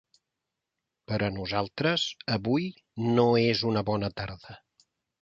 Per a nosaltres avui no és una bona tarda.